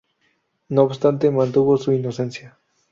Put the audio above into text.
No obstante, mantuvo su inocencia.